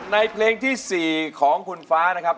ในเพลงที่๔ของคุณฟ้านะครับ